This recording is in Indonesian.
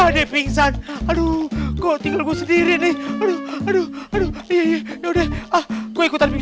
ya deh pingsan aduh kok tinggal gue sendiri nih aduh aduh aduh ya udah aku ikutan juga